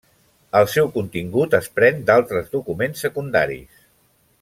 El seu contingut es pren d’altres documents secundaris.